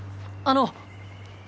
あの！